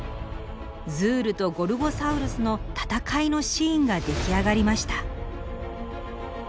ズールとゴルゴサウルスの戦いのシーンが出来上がりました。